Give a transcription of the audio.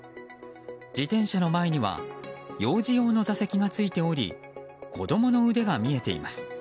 自転車の前には幼児用の座席がついており子供の腕が見えています。